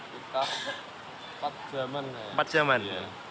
sekitar empat jaman